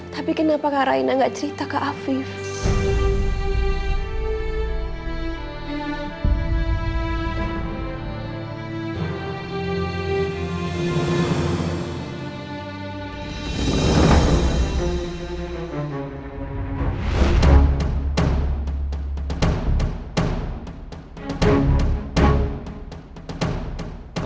tapi kenapa kak raina gak cerita ke afif